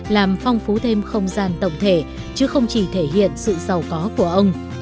làm phong phú thêm không gian tổng thể chứ không chỉ thể hiện sự giàu có của ông